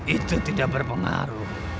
itu tidak berpengaruh